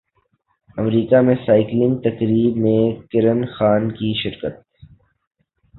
امریکہ میں سائیکلنگ تقریب میں کرن خان کی شرکت